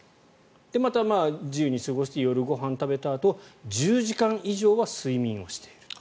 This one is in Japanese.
また自由に過ごして夜ご飯を食べたあと１０時間以上は睡眠をしている。